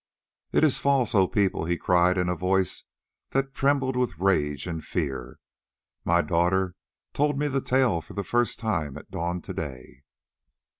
"It is false, O people," he cried in a voice that trembled with rage and fear. "My daughter told me the tale for the first time at dawn to day."